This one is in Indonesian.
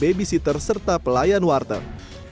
babysitter serta pelayan warteg